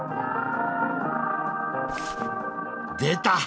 出た。